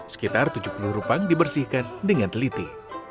sekitar tujuh puluh rupang dibersihkan dengan teliti